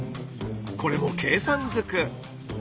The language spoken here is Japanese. これも計算ずく。